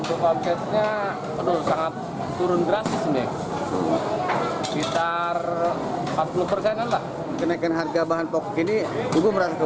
untuk omsetnya aduh sangat turun drastis nih